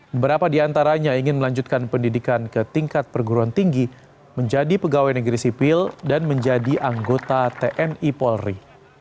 beberapa di antaranya ingin melanjutkan pendidikan ke tingkat perguruan tinggi menjadi pegawai negeri sipil dan menjadi anggota tni polri